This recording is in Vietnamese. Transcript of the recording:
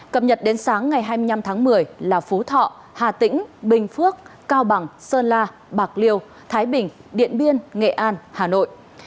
cập nhật đến sáng ngày hai mươi năm tháng một mươi là phú thọ hà tĩnh bình phước cao bằng sơn la bạc liêu thái bình điện biên nghệ an hà nội